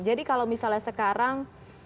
jadi kalau misalnya sekarang